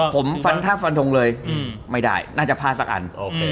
ผมฟันท่าฟันทงเลยไม่ได้น่าจะพลาดสักอันโอเค